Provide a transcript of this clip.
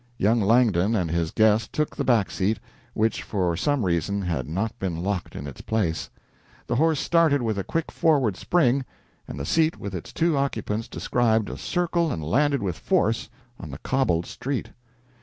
Young Langdon and his guest took the back seat, which, for some reason, had not been locked in its place. The horse started with a quick forward spring, and the seat with its two occupants described a circle and landed with force on the cobbled street.